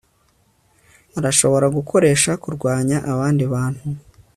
arashobora gukoresha kurwanya abandi bantu